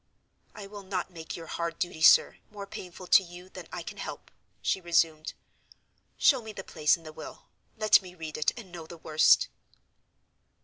"I will not make your hard duty, sir, more painful to you than I can help," she resumed. "Show me the place in the will. Let me read it, and know the worst."